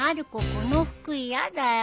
この服嫌だよ。